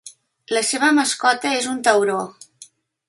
La seva mascota és un tauró.